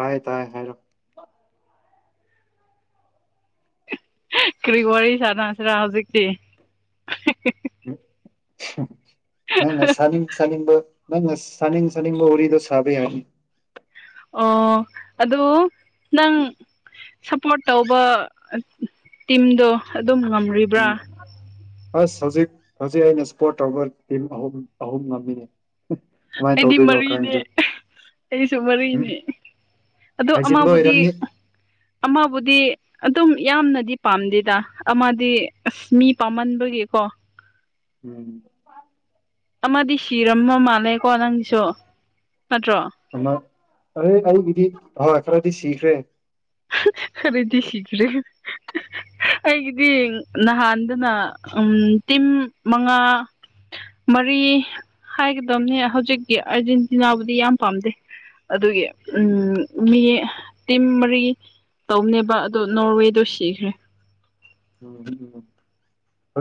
ꯍꯥꯏꯥꯏ ꯇꯥꯏ ꯍꯥꯏꯔꯣ ꯀꯔꯤꯒ ꯋꯥꯔꯤ ꯁꯥꯟꯅꯁꯤꯔꯥ ꯍꯧꯖꯤꯛꯇꯤ ꯅꯪꯉ ꯁꯅꯤ ꯁꯅꯤꯕꯨ ꯅꯪꯅ ꯁꯥꯅꯤꯡ ꯁꯥꯅꯤꯡꯕ ꯎꯔꯤꯗꯣ ꯁꯥꯕ ꯌꯥꯅꯤ ꯑꯣ ꯑꯗꯨ ꯅꯪ ꯁꯞꯄꯣꯔꯠ ꯇꯧꯕ ꯇꯤꯝꯗꯣ ꯑꯗꯨꯝ ꯉꯝꯔꯤꯕ꯭ꯔꯥ ꯎꯝ ꯑꯁ ꯍꯧꯖꯤꯛ ꯍꯧꯖꯤꯛ ꯑꯩꯅ ꯁꯄꯣꯔꯠ ꯇꯧꯕ ꯇꯤꯝ ꯑꯍꯨꯝ ꯑꯍꯨꯝ ꯉꯝꯃꯤ ꯑꯩꯗꯤ ꯃꯔꯤꯅꯦ ꯑꯩꯁꯨ ꯎꯝ ꯃꯔꯤꯅꯦ ꯑꯣ ꯍꯥꯏꯖꯤꯟꯕ ꯑꯃꯕꯨꯗꯤ ꯑꯣꯏꯔꯝꯅꯤ ꯑꯃꯕꯨꯗꯤ ꯑꯗꯨꯝ ꯌꯥꯝꯅꯗꯤ ꯄꯥꯝꯗꯦꯗ ꯑꯃꯗꯤ ꯑꯁ ꯃꯤ ꯄꯥꯝꯃꯟꯕꯒꯤꯀꯣ ꯎꯝ ꯑꯃꯗꯤ ꯁꯤꯔꯝꯃ ꯃꯥꯜꯂꯦꯀꯣ ꯅꯪꯒꯤꯁꯨ ꯅꯠꯇ꯭ꯔꯣ ꯑ ꯑꯩꯒꯤꯗꯤ ꯍꯣꯏ ꯈꯔꯗꯤ ꯁꯤꯈ꯭ꯔꯦ ꯑꯩꯔꯗꯤ ꯁꯤꯒ꯭ꯔꯦ ꯑꯩꯒꯤꯗꯤ ꯅꯍꯥꯟꯗꯅ ꯎꯝ ꯇꯤꯝ ꯃꯉꯥ ꯃꯔꯤ ꯍꯥꯏꯒꯗꯕꯅꯦ ꯍꯧꯖꯤꯛꯀꯤ ꯑꯔꯖꯦꯟꯇꯤꯅꯥꯕꯨꯗꯤ ꯌꯥꯝ ꯄꯥꯝꯗꯦ ꯑꯗꯨꯒꯤ ꯎꯝ ꯃꯤ ꯇꯤꯝ ꯃꯔꯤ ꯇꯧꯅꯦꯕ ꯑꯗꯣ ꯅꯣꯔꯋꯦꯗ ꯁꯤꯈ꯭ꯔꯦ ꯎꯝ ꯑ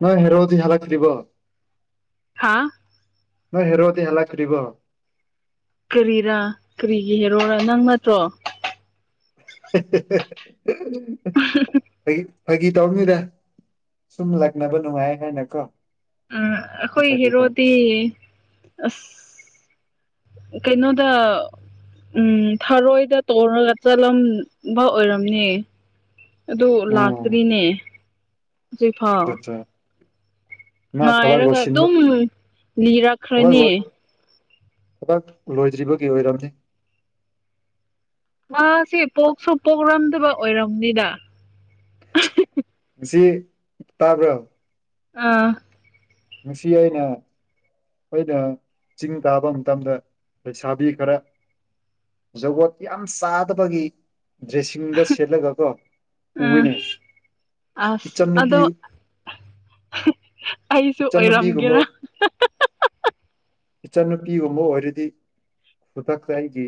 ꯅꯣꯏ ꯍꯦꯔꯗꯤ ꯍꯥꯂ ꯊ ꯊꯔꯤꯕꯣ ꯍꯥꯥ ꯅꯣꯏ ꯍꯦꯔꯗꯤ ꯍꯂ ꯐꯔꯤꯕꯣ ꯀꯔꯤꯔꯥ ꯀꯔꯤꯒꯤ ꯍꯦꯔꯣꯔ ꯅꯪ ꯅꯠꯇ꯭ꯔꯣ ꯑꯩ ꯐꯥꯒꯤ ꯇꯧꯅꯤꯗ ꯁꯨꯝ ꯂꯛꯅꯕ ꯅꯨꯡꯉꯥꯏ ꯍꯥꯏꯅꯀꯣ ꯑ ꯑꯩꯈꯣꯏꯒꯤ ꯐꯥꯒꯤ ꯇꯧ ꯍꯦꯔꯣꯗꯤ ꯑꯁ ꯀꯩꯅꯩꯅꯣ ꯇ ꯎꯝ ꯊꯔꯣꯏꯗ ꯇꯧꯔꯒ ꯆꯠꯂꯝꯕ ꯑꯣꯏꯔꯝꯅꯦ ꯑꯗꯨ ꯎꯝ ꯂꯥꯛꯇ꯭ꯔꯤꯅꯦ ꯍꯧꯖꯤꯛꯐꯥꯎ ꯉ ꯊꯕꯛ ꯉꯥꯏꯔꯒ ꯂꯣꯏꯁꯤꯟꯕ ꯑꯗꯨꯝ ꯊꯕꯛ ꯂꯣꯏ ꯂꯤꯔꯛꯈ꯭ꯔꯅꯤ ꯊꯕꯛ ꯂꯣꯏꯗ꯭ꯔꯤꯕꯒꯤ ꯑꯣꯏꯔꯝꯅꯤ ꯉꯁꯤꯦ ꯄꯣꯛꯁꯨ ꯄꯣꯛꯔꯝꯗꯕ ꯑꯣꯏꯔꯝꯅꯤꯗ ꯁꯤ ꯇꯥꯕ꯭ꯔꯣ ꯑꯥ ꯅꯨꯡꯁꯤ ꯑꯏꯅ ꯑꯣꯏꯩꯅ ꯆꯤꯡ ꯇꯥꯕ ꯃꯇꯝꯗ ꯂꯩꯁꯥꯕꯤ ꯈꯔ ꯖꯒꯣ ꯌꯥꯝ ꯆꯥꯗꯕꯒꯤ ꯗ꯭ꯔꯦꯁꯤꯡꯗ ꯁꯦꯠꯂꯒꯀꯣ ꯑꯥ ꯎꯔꯅꯤ ꯑꯁ ꯏꯆꯟ ꯅꯨꯨꯄꯤ ꯑꯗꯣ [unintelligible] ꯑꯩꯁꯨ ꯏꯆꯟꯅꯨꯄꯤꯒꯨꯝꯕ ꯑꯣꯏꯔꯝꯒꯦꯔꯥ ꯏꯆꯟꯅꯨꯄꯤꯒꯨꯝꯕ ꯑꯣꯏꯔꯗꯤ ꯈꯨꯗꯛꯇ ꯑꯩꯒꯤ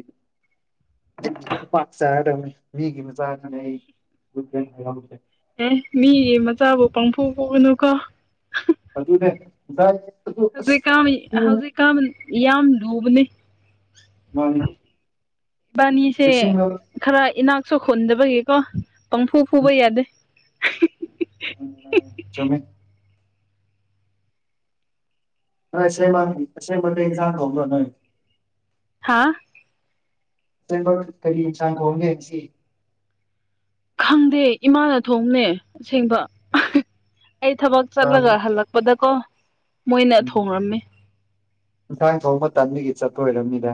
ꯄꯥꯛ ꯆꯥꯗꯕꯅꯤ ꯃꯤꯒꯤ ꯃꯆꯥꯗꯨꯅꯦ ꯑꯩꯦ ꯑꯦ ꯃꯤꯒꯤ ꯃꯆꯥꯕꯨ ꯄꯥꯡꯊꯣꯛ ꯄꯨꯒꯅꯨꯀꯣ ꯑꯗꯨ ꯑꯗꯨꯅꯦ ꯑꯗꯨ ꯍꯧꯖꯤꯛꯀꯥꯟ ꯑꯁ ꯎꯝ ꯍꯧꯖꯤꯛꯀꯥꯟ ꯌꯥꯝ ꯂꯨꯕꯅꯤ ꯋꯥ ꯕꯥꯅꯤꯁꯦ ꯈꯔ ꯏꯅꯥꯛꯁꯨ ꯍꯣꯟꯗꯕꯒꯤꯀꯣ ꯄꯪꯐꯨ ꯐꯨꯕ ꯌꯥꯗꯦ ꯎꯝ ꯆꯃꯤ ꯦ ꯃꯥ ꯃꯖꯥꯂ ꯅ ꯍꯥꯥ ꯀꯔꯤ ꯏ ꯆꯥꯡ ꯍꯒꯦꯁꯤ ꯈꯪꯗꯦ ꯏꯃꯥꯅ ꯊꯣꯡꯅꯦ ꯑꯁꯦꯡꯕ ꯑꯩ ꯊꯕꯛ ꯆꯠꯂꯒ ꯍꯜꯂꯛ ꯗꯀꯣ ꯎꯝ ꯉꯟꯥꯡ ꯐꯥꯎꯕ ꯇꯗꯨꯒꯤ ꯆꯠꯄ ꯑꯣꯏꯔꯝꯃꯤꯗ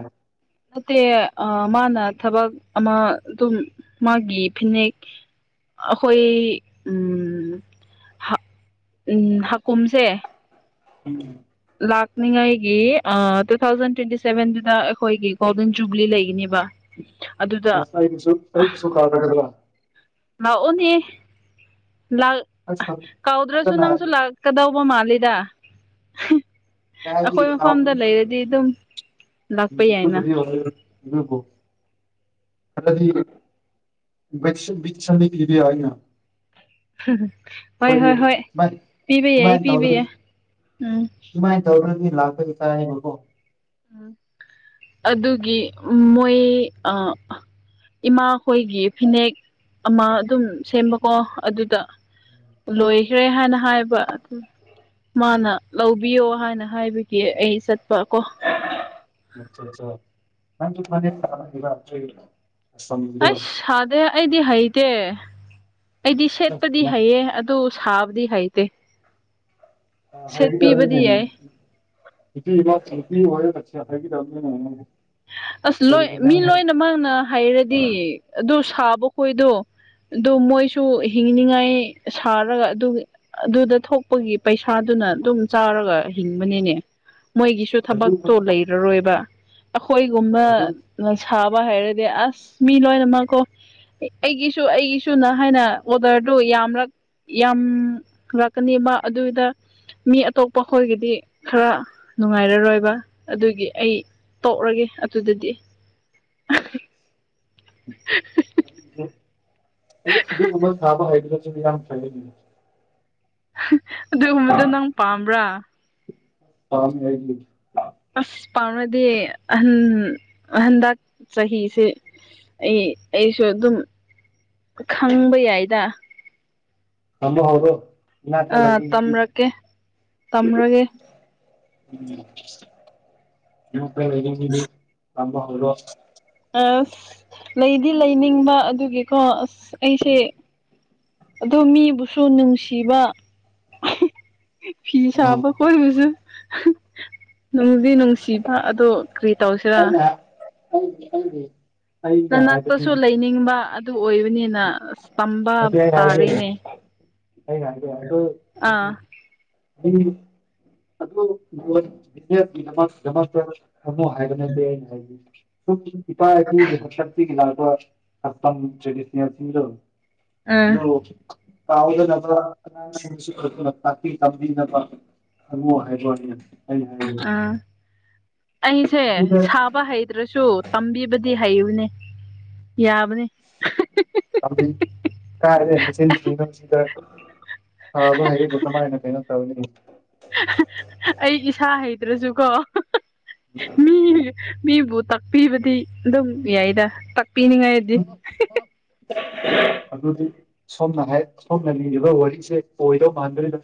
ꯅꯠꯇꯦ ꯃꯥꯅ ꯊꯕꯛ ꯑꯃ ꯑꯗꯨꯝ ꯃꯥꯒꯤ ꯐꯤꯅꯦꯛ ꯑꯩꯈꯣꯏ ꯍꯥꯀꯨꯝꯨꯝꯁꯦ ꯎꯝ ꯂꯥꯛꯅꯤꯉꯥꯏꯒꯤ ꯇꯨ ꯊꯥꯎꯖꯟ ꯇ꯭ꯋꯦꯟꯇꯤ ꯁꯚꯦꯟꯗꯨꯗ ꯑꯩꯈꯣꯏꯒꯤ ꯒꯣꯜꯗꯟ ꯖꯨꯕ꯭ꯂꯤ ꯂꯩꯒꯅꯦꯕ ꯑꯗꯨꯗ ꯄꯣ ꯂꯥꯛꯑꯣꯅꯦ ꯑꯁ ꯀꯥꯎꯗ꯭ꯔꯁꯨ ꯐꯖꯅ ꯅꯪꯁꯨ ꯂꯥꯛ ꯀꯗꯧꯕ ꯃꯥꯜꯂꯤꯗ ꯀꯥꯏꯗꯒꯤ ꯑꯩꯈꯣꯏ ꯃꯐꯝꯗ ꯀꯥꯎꯒꯅꯤ ꯂꯩꯔꯗꯤ ꯑꯗꯨꯝ ꯂꯥꯛꯄ ꯌꯥꯏꯅ ꯎ ꯜꯀꯨꯜ ꯀꯗꯤ ꯐꯕꯤ ꯑꯒ ꯍꯣꯏ ꯍꯣꯏ ꯍꯣꯏ ꯁꯨꯃꯥꯏ ꯄꯤꯕ ꯌꯥꯏ ꯑꯩ ꯑꯗꯨꯃꯥꯏꯅ ꯄꯤꯕ ꯇꯧꯗ꯭ꯔꯗꯤ ꯌꯥꯏ ꯎꯝ ꯑꯗꯨꯃꯥꯏꯅ ꯇꯧꯔꯗꯤ ꯂꯥꯛꯄꯒꯤ ꯀꯥꯏꯕꯀꯣ ꯑꯗꯨꯒꯤ ꯃꯣꯏ ꯑ ꯏꯃꯥꯈꯣꯏꯒꯤ ꯐꯤꯅꯦꯛ ꯑꯃ ꯑꯗꯨꯝ ꯁꯦꯝꯕꯀꯣ ꯑꯗꯨꯗ ꯂꯣꯏꯈ꯭ꯔꯦ ꯍꯥꯏꯅ ꯍꯥꯏꯕ ꯑꯗꯨ ꯃꯥꯅ ꯂꯧꯕꯤꯌꯣ ꯍꯥꯏꯅ ꯍꯥꯏꯕꯒꯤ ꯑꯩ ꯆꯠꯄ ꯀꯣ ꯆꯥ ꯅꯪ ꯑꯁ ꯁꯥꯗꯦ ꯑꯩꯗꯤ ꯍꯩꯇꯦ ꯑꯩꯗꯤ ꯁꯦꯠꯄꯗꯤ ꯍꯩꯌꯦ ꯑꯁ ꯇꯨ ꯁꯥ ꯍꯥꯕ ꯍꯥꯏꯩ ꯇ ꯔꯦꯗꯤ ꯀꯃꯤꯅꯦ ꯌꯥꯏ ꯏ ꯏ ꯋꯥꯏ ꯍꯥꯏꯒ ꯑꯁ ꯂꯣꯏ ꯃꯤ ꯂꯣꯏꯅꯃꯛꯅ ꯍꯩꯔꯗꯤ ꯑꯗꯨ ꯁꯥꯕ ꯈꯣꯏꯗꯣ ꯑꯗꯨ ꯃꯣꯏꯁꯨ ꯍꯤꯡꯅꯤꯡꯉꯥꯏ ꯁꯥꯔꯒ ꯑꯗꯨ ꯑꯗꯨꯗ ꯊꯣꯛꯄꯒꯤ ꯄꯩꯁꯥꯗꯨꯅ ꯑꯗꯨꯝ ꯆꯥꯔꯒ ꯍꯤꯡꯕꯅꯤꯅꯦ ꯃꯣꯏꯒꯤꯁꯨ ꯑꯗꯨ ꯊꯕꯛꯇꯣ ꯂꯩꯔꯔꯣꯏꯕ ꯑꯩꯈꯣꯏꯒꯨꯝꯕ ꯑꯗꯨ ꯁꯥꯕ ꯍꯥꯏꯔꯗꯤ ꯑꯁ ꯃꯤ ꯂꯣꯏꯅꯃꯛꯀꯣ ꯑꯩꯒꯤꯁꯨ ꯑꯩꯒꯤꯁꯨ ꯅ ꯍꯥꯏꯅ ꯑꯣꯗꯔꯗꯨ ꯌꯥꯝꯂꯛ ꯌꯥꯝ ꯂꯥꯛꯀꯅꯦꯕ ꯑꯗꯨꯗ ꯃꯤ ꯑꯇꯣꯞꯄ ꯑꯩꯈꯣꯏꯒꯤꯗꯤ ꯈꯔ ꯅꯨꯡꯉꯥꯏꯔꯔꯣꯏꯕ ꯑꯗꯨꯒꯤ ꯑꯩ ꯇꯣꯛꯔꯒꯦ ꯑꯗꯨꯗꯗꯤ [inaudible] ꯁ ꯀꯨꯝꯃ ꯁꯥꯕ ꯍꯥꯏ ꯌꯥꯝ ꯐꯦ ꯑꯗꯨꯒꯨꯝꯕꯗꯣ ꯅꯪ ꯄꯥꯝꯕ꯭ꯔꯥ ꯑ ꯍꯥꯏꯗꯤ ꯑꯁ ꯄꯥꯝꯅꯗꯤ ꯑꯍꯟ ꯑꯍꯟꯗꯛ ꯆꯍꯤꯁꯦ ꯑꯩ ꯑꯩꯁꯨ ꯑꯗꯨꯝ ꯈꯪꯕ ꯌꯥꯏꯗ ꯊꯃꯣ ꯍꯕꯣ ꯃꯤꯅꯥꯇ ꯑꯥ ꯇꯝꯔꯛꯀꯦ ꯇꯝꯔꯒꯦ ꯎꯝꯗꯤ ꯂꯝꯕ ꯍꯔꯣ ꯑꯁ ꯂꯩꯗꯤ ꯂꯩꯅꯤꯡꯕ ꯑꯗꯨꯒꯤꯀꯣ ꯑꯁ ꯑꯩꯁꯦ ꯑꯣ ꯃꯤꯕꯨꯁꯨ ꯅꯨꯡꯁꯤꯕ ꯐꯤ ꯎꯝ ꯁꯥꯕ ꯈꯣꯏꯠꯕꯁꯨ ꯅꯨꯡꯗꯤ ꯅꯨꯡ ꯁꯤꯕ ꯑꯗꯨꯣ ꯀꯔꯤ ꯇꯧꯁꯤꯔꯥ ꯪꯪ [unintelligible] ꯅꯅꯥꯛꯇꯁꯨ ꯂꯩꯅꯤꯡꯕ ꯑꯗꯨ ꯑꯣꯏꯕꯅꯤꯅ ꯑ ꯇꯝꯕ ꯇꯥꯔꯦꯅꯦ ꯑꯩꯅ ꯍꯥꯏꯗ꯭ꯔ ꯑꯥ ꯍꯥꯏꯗꯤ ꯑꯗꯨꯗꯃꯛꯇ ꯊꯝꯃꯨ ꯍꯥꯏꯕ ꯅꯠꯇ ꯑꯩꯅ ꯍꯥꯏꯖ ꯏꯄꯥꯒꯤ ꯀꯦ [unintelligible] ꯂꯣ ꯎꯝ ꯍꯂꯣ ꯀꯥꯎꯗ ꯅꯥꯛ ꯀꯝ ꯈꯪꯉꯣ ꯍꯥꯏꯕꯅꯦ ꯑꯩ ꯍꯥꯏꯦ ꯑꯩꯁꯦ ꯑꯗꯨꯗ ꯁꯥꯕ ꯍꯩ ꯭ꯔꯁꯨ ꯇꯝꯕꯤꯕꯗꯤ ꯍꯩꯨꯅꯦ ꯌꯥꯕꯅꯤ ꯕꯤ ꯀꯥꯏꯦ ꯍꯦꯟꯅ ꯆꯦꯟ ꯊ꯭ꯔꯤꯅꯣ ꯁꯤꯗ ꯑ ꯑꯗꯨ ꯍꯥꯏꯗꯤ ꯀꯃꯥꯏꯅ ꯀꯩꯅꯣ ꯇꯧ ꯑꯩ ꯏꯁꯥ ꯍꯩꯇ꯭ꯔꯁꯨꯀꯣ ꯃꯤ ꯃꯤꯕꯨ ꯇꯥꯛꯄꯤꯕꯗꯤ ꯑꯗꯨꯝ ꯌꯥꯏꯗ ꯇꯥꯛꯄꯤꯅꯤꯡꯉꯥꯏꯗꯤ ꯑꯗꯨꯗꯤ ꯁꯣꯝꯅ ꯍꯥꯏ ꯁꯣꯝꯅ ꯂꯤꯉꯕ ꯋꯥꯔꯤꯁꯦ ꯑꯣꯏꯗꯧ ꯃꯥꯟꯗꯣꯏꯅ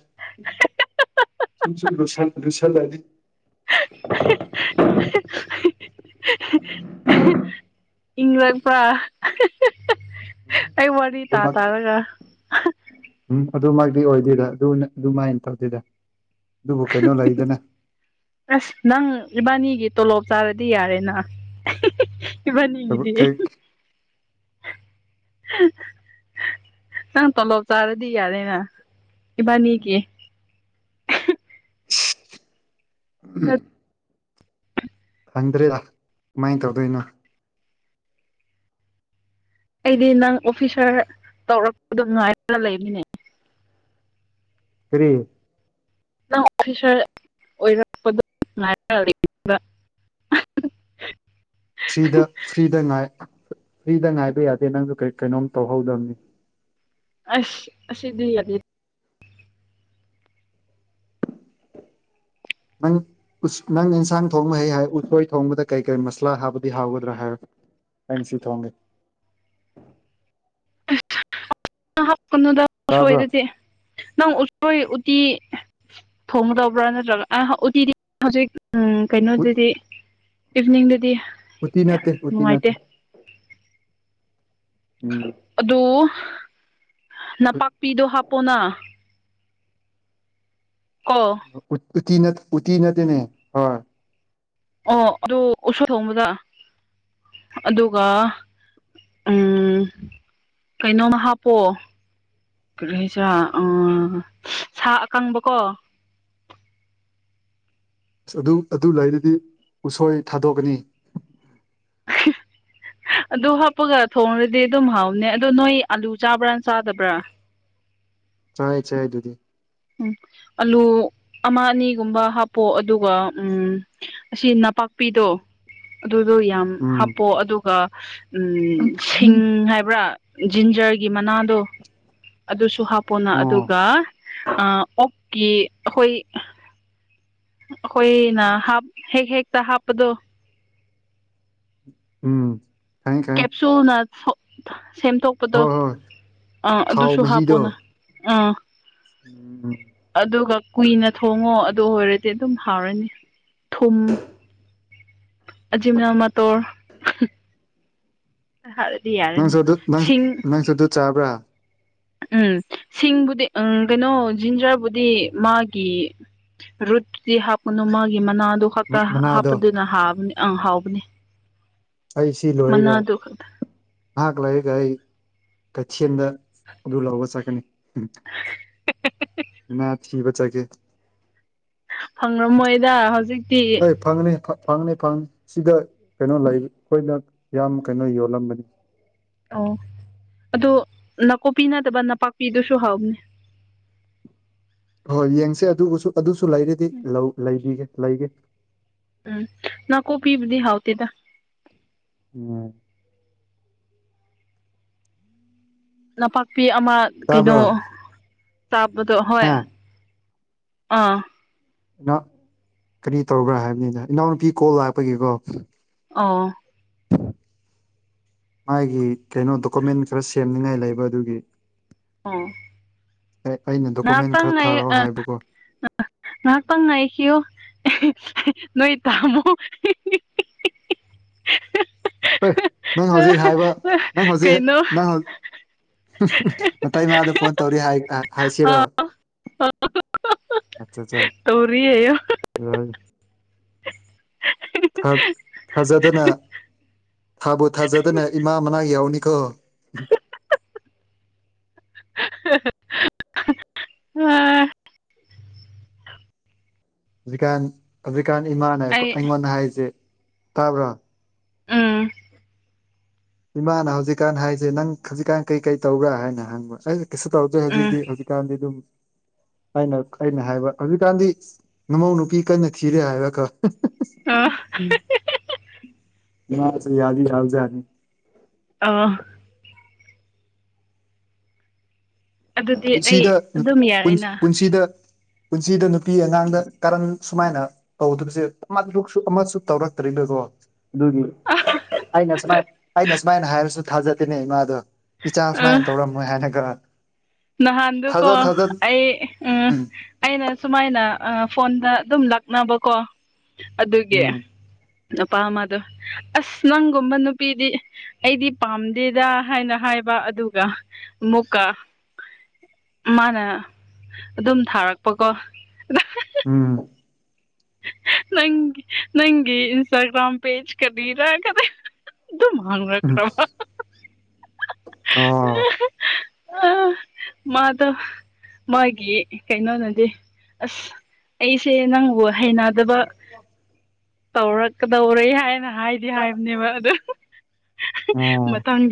ꯁꯨꯝꯁꯨꯨꯝ ꯂ ꯂꯨꯁꯜꯂꯗꯤ ꯎ [unintelligible] ꯏꯪꯂꯛꯄ ꯑꯩ ꯋꯥ ꯅꯤ ꯇꯥ ꯑꯗꯨꯃꯛꯇꯤ ꯇꯥꯔꯒ ꯎꯝ ꯑꯗꯨꯃꯥꯏꯛꯇꯤ ꯑꯣꯏꯗꯣꯏꯗ ꯑꯗꯨ ꯑꯗꯨꯃꯥꯏꯅ ꯇꯧꯗꯦꯗ ꯑꯗꯨꯕꯨ ꯀꯩꯅꯣ ꯂꯩꯗꯅ ꯑꯁ ꯅꯪ ꯏꯕꯥꯅꯤꯒꯤ ꯇꯣꯂꯣꯞ ꯆꯥꯔꯗꯤ ꯌꯥꯔꯦꯅ ꯏꯕꯥꯅꯤꯒꯤꯗꯤ ꯀꯩ ꯅꯪ ꯇꯣꯂꯣꯞ ꯆꯥꯔꯗꯤ ꯌꯥꯔꯦꯅ ꯏꯕꯥꯅꯤꯒꯤ ꯎꯝ ꯈꯪꯗ꯭ꯔꯦ ꯀꯃꯥꯏꯅ ꯇꯧꯗꯣꯏꯅꯣ ꯑꯩꯗꯤ ꯅꯪ ꯑꯣꯐꯤꯁꯥꯔ ꯇꯧꯔꯛꯄꯗꯣ ꯉꯥꯏꯔꯒ ꯂꯩꯃꯤꯅꯦ ꯐꯔꯤ ꯑꯣꯐꯤꯁꯔ ꯑꯣꯏꯔꯛꯄꯗꯣ ꯉ ꯐ꯭ꯔꯤꯗ ꯐ꯭ꯔꯤꯗ ꯐ꯭ꯔꯤꯗ ꯉꯥꯏꯕ ꯌꯥꯗꯦ ꯅꯪꯁꯨ ꯀꯔꯤ ꯀꯩꯅꯣꯝ ꯇꯧꯍꯧꯗꯕꯅꯤ ꯑꯁ ꯁꯤꯗꯤ ꯌꯥꯗꯤ ꯅꯪ ꯅꯪ ꯏꯟꯁꯥꯡ ꯊꯣꯡꯕ ꯍꯩ ꯍꯥꯏ ꯎꯣꯏ ꯊꯣꯡꯕꯗ ꯀꯔꯤ ꯀꯔꯤ ꯃꯁꯂꯥ ꯍꯥꯞꯕꯗꯤ ꯍꯥꯎꯒꯗ꯭ꯔꯥ ꯍꯥꯏꯔ ꯑꯦꯟ ꯁꯤꯠ ꯍꯣꯡꯦ [unintelligible] ꯑ ꯍꯥꯀꯅꯨꯗ ꯇꯥꯕ꯭ꯔꯥ ꯎꯁꯣꯏꯗꯗꯤ ꯅꯪ ꯎꯁꯣꯏ ꯎꯇꯤ ꯊꯣꯡꯉꯗꯕ꯭ꯔꯥ ꯅꯠꯇ꯭ꯔꯒ ꯑꯗꯤ ꯍꯧꯖꯤꯛ ꯎꯝ ꯎꯠ ꯀꯩꯅꯣꯗꯗꯤ ꯏꯚꯅꯤꯡꯗꯗꯤ ꯎꯇ ꯅꯠꯇꯦ ꯍꯧꯇ ꯅꯠꯇꯦ ꯎꯝ ꯑꯗꯨ ꯅꯄꯥꯛꯄꯤꯗꯣ ꯍꯥꯞꯄꯣꯅ ꯑꯥ ꯎꯇꯤ ꯎꯇꯤ ꯅꯠꯇꯦꯅꯦ ꯍꯣꯏ ꯑꯣ ꯑꯗꯨ ꯎꯁꯥ ꯊꯣꯡꯕꯗ ꯑꯗꯨꯒ ꯎꯝ ꯀꯩꯅꯣꯃ ꯍꯥꯞꯄꯣꯑꯣ ꯀꯩꯁ ꯑ ꯁꯥ ꯑꯀꯪꯕꯀꯣ ꯑ ꯑꯗꯨꯝ ꯑꯗꯨ ꯂꯩꯔꯗꯤ ꯎꯁꯣꯏ ꯊꯥꯗꯣꯛꯀꯅꯤ ꯑꯗꯨ ꯍꯥꯞꯄꯒ ꯊꯣꯡꯉꯨꯔꯗꯤ ꯑꯗꯨꯝ ꯍꯥꯎꯅꯦ ꯑꯗꯣ ꯅꯣꯏ ꯑꯥꯂꯨ ꯆꯥꯕ꯭ꯔꯅ ꯆꯥꯗꯕ꯭ꯔꯥ ꯆꯥꯏ ꯆꯥꯏ ꯑꯗꯨꯗꯤ ꯎꯝ ꯑꯂꯨ ꯑꯃ ꯑꯅꯤꯒꯨꯝꯕ ꯍꯥꯞꯄꯣ ꯑꯗꯨꯒ ꯎꯝ ꯑꯁꯤ ꯅꯄꯥꯛꯄꯤꯗꯣ ꯑꯗꯨꯗꯣ ꯌꯥꯝ ꯎꯝ ꯍꯥꯞꯄꯣ ꯑꯗꯨꯒ ꯎꯝ ꯁꯤꯡ ꯍꯥꯏꯕ꯭ꯔꯥ ꯖꯤꯟꯖꯔꯒꯤ ꯃꯅꯥꯗꯣ ꯑꯗꯨꯁꯨ ꯍꯥꯞꯄꯣꯅ ꯑꯣ ꯑꯗꯨꯒ ꯑꯣꯛꯀꯤ ꯑꯈꯣꯏ ꯑꯈꯣꯏꯅ ꯍꯥꯞ ꯍꯦꯛ ꯍꯦꯛꯇ ꯍꯥꯞꯄꯗꯨ ꯎꯝ ꯈꯪꯉꯦ ꯈꯪꯉꯦ ꯇꯨꯅ ꯁꯣ ꯁꯦꯝꯗꯣꯛꯄꯗꯣ ꯍꯣꯏ ꯍꯣꯏ ꯑ ꯊꯥꯎ ꯑꯗꯨꯁꯨ ꯃꯍꯤꯗꯣ ꯍꯥꯞꯄꯣꯅ ꯑꯥ ꯎꯝ ꯑꯗꯨꯒ ꯀꯨꯏꯅ ꯊꯣꯡꯉꯣ ꯑꯗꯨ ꯑꯣꯏꯔꯗꯤ ꯑꯗꯨꯝ ꯍꯥꯎꯔꯅꯤ ꯊꯨꯝ ꯖꯤ ꯃꯅꯥꯃ ꯇꯣꯔ ꯍꯥꯏꯗꯤ ꯅꯪꯁꯨ ꯑꯗꯨ ꯅꯪ ꯅꯪꯁꯨ ꯑꯗꯨ ꯆꯥꯕ꯭ꯔꯥ ꯎꯝ ꯁꯤꯡꯕꯨꯗꯤ ꯎꯝ ꯀꯩꯅꯣ ꯖꯤꯟꯖꯔꯕꯨꯗꯤ ꯃꯥꯒꯤ ꯔꯨꯠꯇꯨ ꯍꯥꯞꯄꯅꯨ ꯃꯥꯒꯤ ꯃꯅꯥꯗꯨ ꯈꯛꯇ ꯃꯅꯥꯗꯣ ꯍꯥꯞꯄꯗꯨꯅꯕꯅꯤ ꯑꯪ ꯍꯥꯎꯕꯅꯤ ꯑꯩ ꯁꯤ ꯂꯣꯏꯔꯒ ꯃꯅꯥꯗꯨ ꯈꯛꯇ ꯅꯍꯥꯛ ꯂꯥꯏꯒ ꯑꯩ ꯀꯩꯊꯦꯜꯗ ꯑꯗꯨ ꯂꯥꯛꯕ ꯆꯠꯀꯅꯤ ꯍꯨꯝ [inaudible] ꯃꯥ ꯊꯤꯕ ꯆꯠꯀꯦ ꯐꯪꯉꯝꯃꯣꯏꯗ ꯍꯧꯖꯤꯛꯇꯤ ꯐꯪꯅꯤ ꯐ ꯐꯪꯅꯤ ꯐꯪꯅꯤ ꯁꯤꯗ ꯀꯩꯅꯣ ꯂꯩ ꯑꯩꯈꯣꯏꯅ ꯌꯥꯝ ꯀꯩꯅꯣ ꯌꯣꯜꯂꯝꯕꯅꯤ ꯑꯣ ꯑꯗꯨ ꯅꯥꯀꯨꯞꯄꯤ ꯅꯠꯇꯕ ꯅꯥꯄꯥꯛꯄꯤꯗꯨꯁꯨ ꯍꯥꯎꯕꯅꯤ ꯍꯣꯏ ꯌꯦꯡꯁꯦ ꯑꯗꯨꯕꯨꯁꯨ ꯑꯗꯨꯁꯨ ꯂꯩꯔꯗꯤ ꯂꯧ ꯂ ꯩꯕꯤꯒꯦ ꯂꯩꯒꯦ ꯎꯝ ꯅꯥꯀꯨꯞꯄꯤꯕꯨꯗꯤ ꯍꯥꯎꯗꯦꯗ ꯎꯝ ꯅꯄꯥꯛꯄꯤ ꯑꯃ ꯀꯩꯅꯣ ꯇꯥꯕ꯭ꯔꯣ ꯇꯥꯕꯗꯣ ꯍꯣꯏ ꯍꯥ ꯑꯥ ꯏꯅꯥ ꯀꯔꯤ ꯇꯧꯕ꯭ꯔꯥ ꯍꯥꯏꯕꯅꯤꯗ ꯏꯅꯥꯎꯅꯨꯄꯤ ꯀꯣꯜ ꯂꯥꯛꯄꯒꯤꯀꯣ ꯑꯣ ꯃꯥꯒꯤ ꯀꯩꯅꯣ ꯗꯣꯀꯨꯃꯦꯟ ꯈꯔ ꯁꯦꯝꯅꯤꯉꯥꯏ ꯂꯩꯕ ꯑꯗꯨꯒꯤ ꯑꯣ ꯑꯦ ꯑꯩꯅ ꯗꯣꯀꯨꯃꯦꯟ ꯈꯔ ꯊꯥꯔꯛꯑꯣ ꯍꯥꯏꯕꯀꯣ ꯉꯥꯍꯥꯛꯇꯪ ꯉꯥꯏꯈꯤꯌꯣ [unintelligible] ꯅꯣꯏ ꯇꯥꯃꯣ [unintelligible] ꯍꯣꯏ ꯅꯪ ꯍꯧꯖꯤꯛ ꯍꯥꯏꯕ ꯅꯪ ꯍꯧꯖꯤꯛ ꯀꯩꯅꯣ ꯅꯪ ꯅꯇꯩꯃꯥꯗ ꯐꯣꯟ ꯇꯧꯔꯤ ꯍꯥꯏ [unintelligible] ꯍꯥꯏꯁꯤꯔꯣ ꯑꯆꯥ ꯆꯥ ꯇꯧꯔꯤꯌꯦ [unintelligible] ꯊꯥ ꯊꯥꯖꯗꯅ ꯊꯥꯕꯨ ꯊꯥꯖꯗꯅ ꯏꯃꯥ ꯃꯅꯥꯛ ꯌꯧꯅꯤꯀꯣ [unintelligible] ꯑꯥ ꯍꯧꯖꯤꯛꯀꯥꯟ ꯍꯧꯖꯤꯛꯀꯥꯟ ꯏꯃꯥꯅ ꯑꯩ ꯑꯩꯉꯣꯟꯗ ꯍꯥꯏꯁꯦ ꯇꯥꯕ꯭ꯔꯣ ꯎꯝ ꯏꯃꯥꯅ ꯍꯧꯖꯤꯛꯀꯥꯟ ꯍꯥꯏꯁꯦ ꯅꯪ ꯍꯧꯖꯤꯛꯀꯥꯟ ꯀꯩ ꯀꯩ ꯇꯧꯕ꯭ꯔꯥ ꯍꯥꯏꯅ ꯍꯪꯕ ꯑꯩ ꯀꯩꯁꯨ ꯇꯧꯗꯦ ꯎꯝ ꯍꯧꯖꯤꯛꯇꯤ ꯍꯧꯖꯤꯛꯀꯥꯟꯗꯤ ꯑꯗꯨꯝ ꯑꯩꯅ ꯑꯩꯅ ꯍꯥꯏꯕ ꯍꯧꯖꯤꯛꯀꯥꯟꯗꯤ ꯅꯃꯧ ꯅꯨꯄꯤ ꯀꯟꯅ ꯊꯤꯔꯦ ꯍꯥꯏꯕ ꯀꯣ ꯑꯥ [unintelligible] ꯏꯃꯥꯁꯤ ꯌꯥꯗꯤ ꯌꯥꯕ ꯖꯥꯠꯅꯤ ꯑꯣ ꯑꯗꯨꯗꯤ ꯑꯩ ꯄꯨꯟꯁꯤꯗ ꯑꯗꯨꯝ ꯄꯨꯟ ꯌꯥꯔꯦꯅ ꯄꯨꯟꯁꯤꯗ ꯄꯨꯟꯁꯤꯗ ꯅꯨꯄꯤ ꯑꯉꯥꯡꯗ ꯀꯔꯟ ꯁꯨꯃꯥꯏꯅ ꯇꯧꯗꯕꯁꯦ [unintelligible] ꯑꯃꯁꯨ ꯇꯧꯔꯛꯇꯔꯤꯕꯀꯣ ꯑꯗꯨꯒꯤ ꯑꯩꯅ ꯁꯨꯃꯥꯏ ꯑꯩꯅ ꯁꯨꯃꯥꯏꯅ ꯍꯥꯏꯔꯁꯨ ꯊꯥꯖꯗꯦꯅꯦ ꯏꯃꯥꯗꯣ ꯏꯆꯥ ꯑꯥ ꯁꯨꯃꯥꯏꯅ ꯇꯧꯔꯝꯃꯣꯏ ꯍꯥꯏꯔꯒ ꯅꯍꯥꯟꯗꯨꯀꯣ ꯑꯩ ꯎꯝ ꯑꯩꯅ ꯁꯨꯃꯥꯏꯅ ꯐꯣꯟꯗ ꯑꯗꯨꯝ ꯂꯥꯛꯅꯕꯀꯣ ꯑꯗꯨꯒꯤ ꯎꯝ ꯅꯨꯄꯥ ꯑꯃꯗꯣ ꯑꯁ ꯅꯪꯒꯨꯝꯕ ꯅꯨꯄꯤꯗꯤ ꯑꯩꯗꯤ ꯄꯥꯝꯗꯦꯗ ꯍꯥꯏꯅ ꯍꯥꯏꯕ ꯑꯗꯨꯒ ꯑꯃꯨꯛꯀ ꯃꯥꯅ ꯑꯗꯨꯝ ꯊꯥꯔꯛꯄꯀꯣ ꯎꯝ ꯅꯪ ꯅꯪꯒꯤ ꯏꯟꯁꯇꯒ꯭ꯔꯥꯝ ꯄꯦꯖ ꯀꯗꯤꯔ ꯀꯗꯦ ꯑꯗꯨ ꯑꯗꯨ ꯃꯥꯥꯡꯅ ꯀ꯭ꯔꯕ ꯑꯣ ꯑꯣ ꯃꯥꯗꯣ ꯃꯥꯒꯤ ꯀꯩꯅꯣꯅꯗꯤ ꯑꯁ ꯑꯩꯁꯦ ꯅꯪꯕꯨ ꯍꯩꯅꯗꯕ ꯇꯧꯔꯛꯀꯗꯧꯔꯦ ꯍꯥꯏꯅ ꯍꯥꯏ ꯍꯥꯏꯗꯤ ꯍꯥꯏꯕꯅꯦꯕ ꯑꯗ ꯑꯣ ꯃꯇꯥꯡ